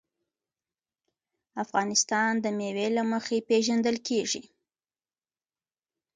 افغانستان د مېوې له مخې پېژندل کېږي.